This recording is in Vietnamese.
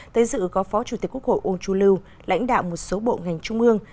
tới dự có phó chủ tịch quốc hội uông chu lưu lãnh đạo một số bộ ngành trung ương